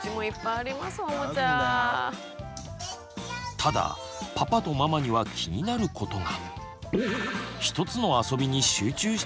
ただパパとママには気になることが。